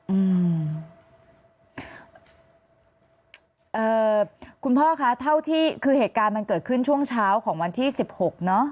อืมเอ่อคุณพ่อคะเท่าที่คือเหตุการณ์มันเกิดขึ้นช่วงเช้าของวันที่สิบหกเนอะ